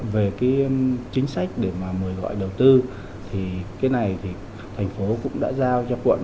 về cái chính sách để mà mời gọi đầu tư thì cái này thì thành phố cũng đã giao cho quận